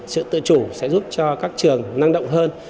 sự tự chủ sẽ giúp cho các trường năng động hơn